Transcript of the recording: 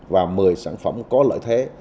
và một mươi sản phẩm có lợi thế